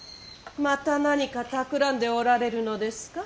また何かたくらんでおられるのですか。